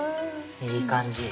いい感じ。